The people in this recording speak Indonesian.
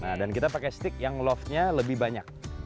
nah dan kita pakai stick yang love nya lebih banyak